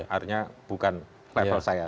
artinya bukan level saya